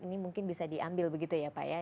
ini mungkin bisa diambil begitu ya pak ya